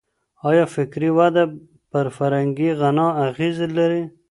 آيا فکري وده پر فرهنګي غنا اغېز لري؟